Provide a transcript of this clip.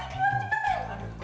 cepet aman iki